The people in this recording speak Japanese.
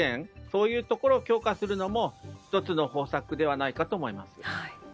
そういうところを強化するのも１つの方策ではないかと思います。